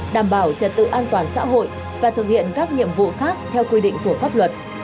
đảm bảo trật tự an toàn xã hội và thực hiện các nhiệm vụ khác theo quy định của pháp luật